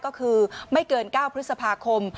ก็คือไม่เกิน๙พฤษภาคม